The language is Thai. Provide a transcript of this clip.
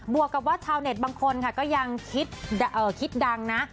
วกกับว่าชาวเน็ตบางคนค่ะก็ยังคิดดังนะ